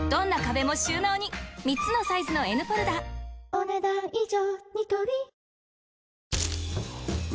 お、ねだん以上。